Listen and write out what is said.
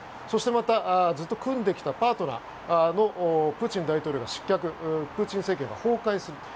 そしてまたずっと組んできたパートナーのプーチン大統領が失脚、プーチン政権が崩壊する。